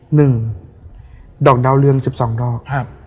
หนึ่งดอกเดาเรือง๑๒ดอก